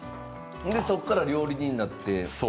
そこから料理人になって？